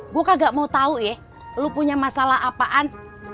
gue kagak mau tau ya lo punya masalah apaan